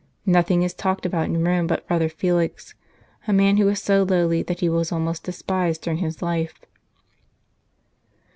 ... Nothing is talked about in Rome but Brother Felix, a man who was so lowly that he was almost despised during his life."